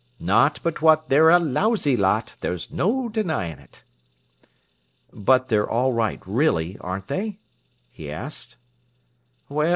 Not but what they're a lousy lot, there's no denying it." "But they're all right really, aren't they?" he asked.